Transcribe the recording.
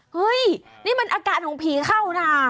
เฮ้ยนี่มันอาการของผีเข้านะ